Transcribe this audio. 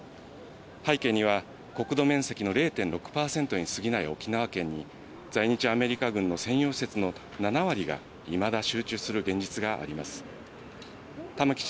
背景には国土面積の０．６％に過ぎない沖縄県に在日アメリカ軍の専用施設の７割がいまだ集中する現実があります。